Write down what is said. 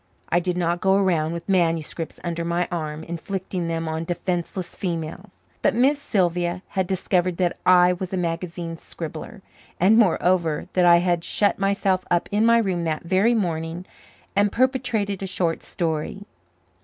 I did not go around with manuscripts under my arm, inflicting them on defenceless females. But Miss Sylvia had discovered that I was a magazine scribbler, and moreover, that I had shut myself up in my room that very morning and perpetrated a short story.